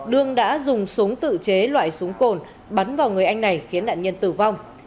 đương đã dùng súng tự chế loại súng cồn bắn vào người anh này khiến nạn nhân tử vong